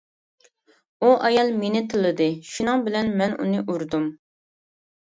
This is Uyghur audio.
ئۇ ئايال مېنى تىللىدى، شۇنىڭ بىلەن مەن ئۇنى ئۇردۇم.